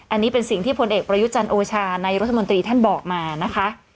อันนี้เป็นสิ่งที่พลเอกประยุจันทร์โอชานายรัฐมนตรีท่านบอกมานะคะ